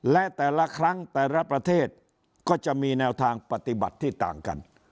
และแต่ละครั้งแต่ละประเทศก็จะมีแนวทางปฏิบัติที่ต่างกัน